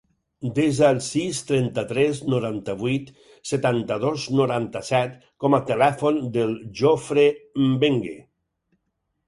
Desa el sis, trenta-tres, noranta-vuit, setanta-dos, noranta-set com a telèfon del Jofre Mbengue.